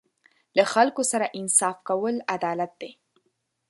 له خلکو سره انصاف کول عدالت دی.